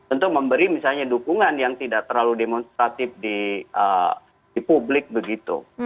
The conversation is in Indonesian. untuk memberi misalnya dukungan yang tidak terlalu demonstratif di publik begitu